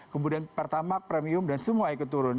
kemudian pertamak premium dan semua ikut turun